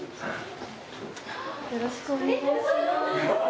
よろしくお願いします